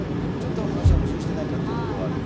ちょっと話が矛盾してないかっていうところがあるよね。